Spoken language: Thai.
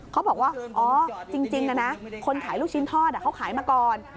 เขาบอกว่าอ๋อจริงนะคนขายลูกชิ้นทอดเขาขายมาก่อน